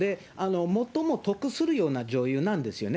最も得するような女優なんですよね。